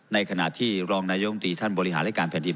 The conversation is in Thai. ในขณะที่รองนายกรรมตรีท่านบริหารรายการแผ่นดิน